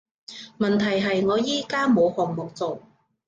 問題係我而家冇項目做